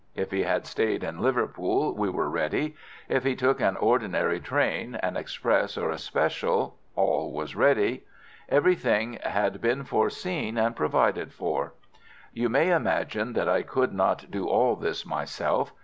If he had stayed in Liverpool, we were ready. If he took an ordinary train, an express, or a special, all was ready. Everything had been foreseen and provided for. "You may imagine that I could not do all this myself.